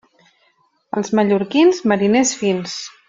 Els mallorquins, mariners fins.